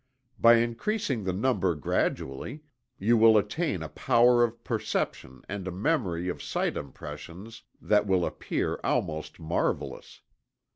By increasing the number gradually, you will attain a power of perception and a memory of sight impressions that will appear almost marvelous.